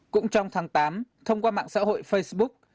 cũng trong tháng tám thông qua mạng xã hội facebook